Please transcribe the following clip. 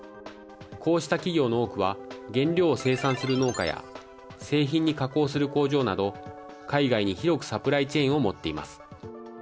こうした企業の多くは原料を生産する農家や製品に加工する工場など海外に広くサプライチェーンを持っています。